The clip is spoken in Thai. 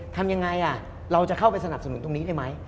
ทำยังไงเราจะเข้าไปสนับสนุนตรงนี้ได้ไหม